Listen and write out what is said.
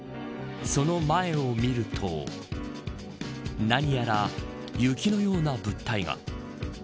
その前を見ると何やら雪のような物体が。